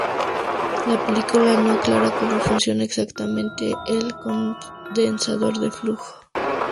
La película no aclara cómo funciona exactamente el condensador de flujo.